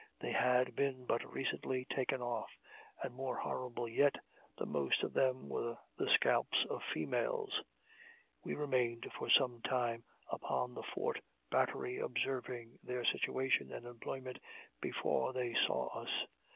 They had been but recently taken off: and more horrible yet, the most of them were the scalps of females! We remained for sometime upon the fort battery observing their situation and employment before they saw us.